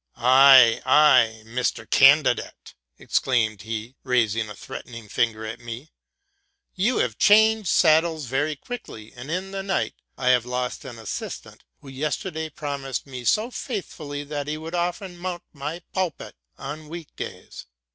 '' Ay, ay, Mr. Candidate!'' exclaimed he, rusing a threatening finger at me; '* you have changed sad dles very quickly : "and in the night I have lost an assist ant, who yesterday promised me so faithfully that he would often mount my pulpit on week days.